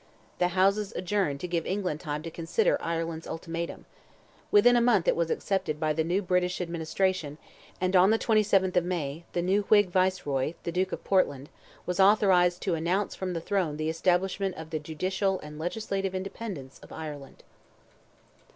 The Houses adjourned to give England time to consider Ireland's ultimatum. Within a month it was accepted by the new British administration, and on the 27th of May, the new Whig Viceroy, the Duke of Portland, was authorized to announce from the throne the establishment of the judicial and legislative independence of Ireland.